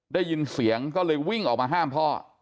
ได้ยินเสียงก็เลยวิ่งออกมาห้ามพ่อ